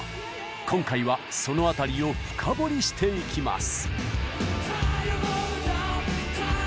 今回はその辺りを深掘りしていきます。